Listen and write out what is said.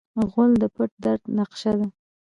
غول د پټ درد نقشه ده.